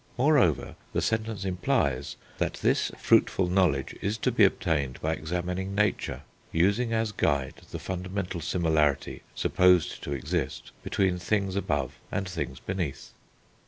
Moreover, the sentence implies that this fruitful knowledge is to be obtained by examining nature, using as guide the fundamental similarity supposed to exist between things above and things beneath.